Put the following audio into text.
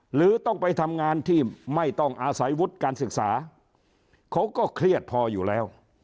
หรือต้องไปทำงานที่ไม่ต้องอาศัยวุฒิการศึกษาเขาก็เครียดพออยู่แล้ว